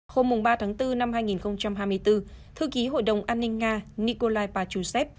hôm ba tháng bốn năm hai nghìn hai mươi bốn thư ký hội đồng an ninh nga nikolai pachusev